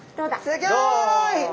すギョい！